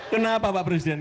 kenapa pak presiden